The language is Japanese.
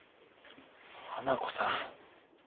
花子さん。